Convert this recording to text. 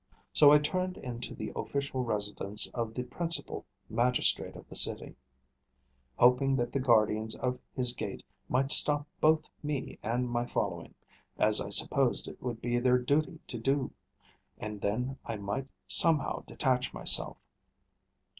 So I turned into the official residence of the principal magistrate of the city, hoping that the guardians of his gate might stop both me and my following, as I supposed it would be their duty to do, and then I might somehow detach myself.